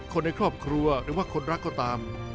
คนในครอบครัวหรือว่าคนรักก็ตาม